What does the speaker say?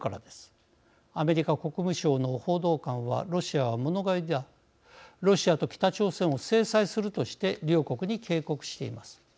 アメリカ国務省の報道官は「ロシアは物乞いだロシアと北朝鮮を制裁する」として両国に警告しています。